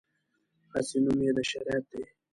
هسې نوم یې د شریعت دی.